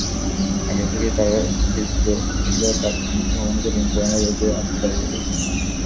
আগে থেকেই তাঁর হৃদ্রোগ ছিল, তাঁর ধমনিতে রিং পরানো রয়েছে, আছে ডায়াবেটিস।